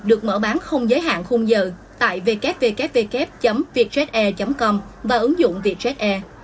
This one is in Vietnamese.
được mở bán không giới hạn khung giờ tại www vietjetair com và ứng dụng vietjet air